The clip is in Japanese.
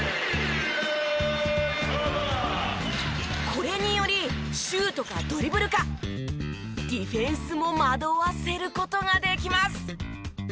これによりシュートかドリブルかディフェンスも惑わせる事ができます。